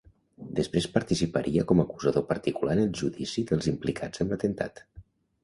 Després participaria com a acusador particular en el judici dels implicats en l'atemptat.